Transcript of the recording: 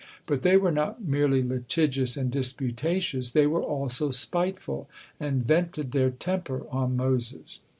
But they were not merely litigious and disputations, they were also spiteful, and vented their temper on Moses.